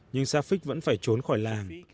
nhưng safik vẫn phải trốn khỏi làng